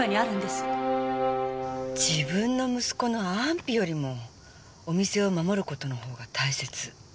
自分の息子の安否よりもお店を守る事のほうが大切。